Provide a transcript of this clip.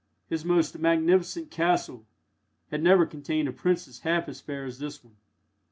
His most magnificent "castle" had never contained a princess half as fair as this one.